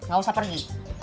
gak usah pergi